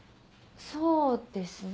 そうですね。